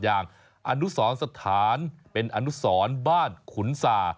อย่างอนุสรสถานเป็นอนุสรบ้านขุนสา